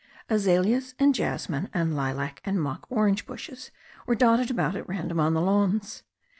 Azaleas and jas mine and lilac and mock orange bushes were dotted about at random on the lawns.